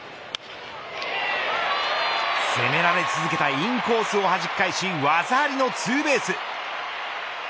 攻められ続けたインコースをはじき返し技ありのツーベース。